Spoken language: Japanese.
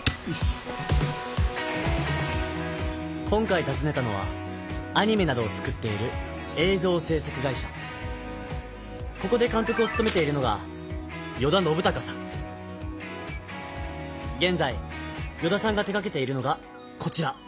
今回たずねたのはアニメなどを作っているここで監督をつとめているのがげんざい依田さんが手がけているのがこちら。